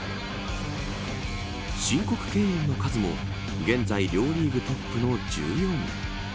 申告敬遠の数も現在両リーグトップの１４。